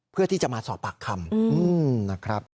เพื่อที่จะมาสอบปากคำนะครับ